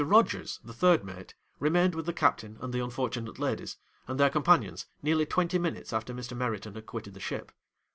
Rogers, the third mate, remained with the captain and the unfortunate ladies and their companions nearly twenty minutes after Mr. Meriton had quitted the ship.